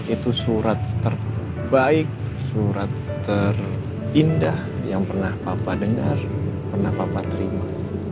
itu surat terbaik surat terindah yang pernah papa dengar pernah papa terima